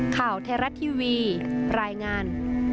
ข่าวไทยรัฐทีวีรายงาน